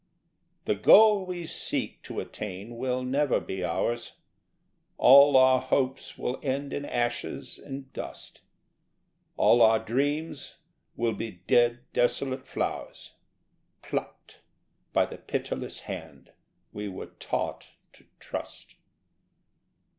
The goal we seek to attain will never be ours: All our hopes will end in ashes and dust; All our dreams will be dead desolate flowers, Plucked by the pitiless Hand we were taught to trust.